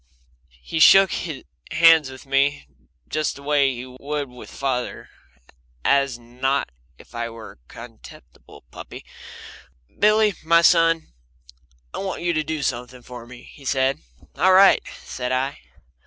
He shook hands with me just the way he would with father, and not as if I were a contemptible puppy. "Billy, my son, I want you to do something for me," he said. "All right," said I.